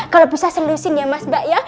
kalau bisa selusin ya mas mbak ya